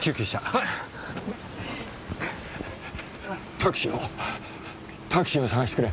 タクシーをタクシーを捜してくれ！